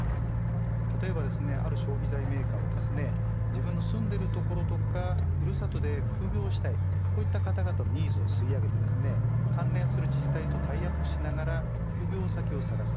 例えばある消費財メーカーは自分の住んでる所やふるさとで副業したいといった方々のニーズを吸い上げて関連する自治体とタイアップしながら副業先を探す。